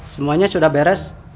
semuanya sudah beres